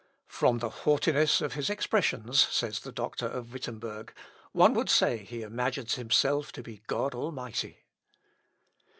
"From the haughtiness of his expressions," says the doctor of Wittemberg, "one would say he imagines himself to be God Almighty."